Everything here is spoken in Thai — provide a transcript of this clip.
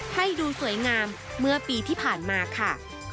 ให้ดูสวยงามเมื่อปีที่ผ่านมาค่ะ